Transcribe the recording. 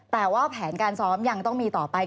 แต่ว่าแผนการซ้อมยังต้องมีต่อไป